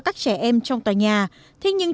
các trẻ em trong tòa nhà thế nhưng